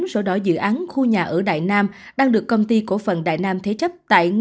hai mươi chín sổ đỏ dự án khu nhà ở đại nam đang được công ty cổ phần đại nam thế chấp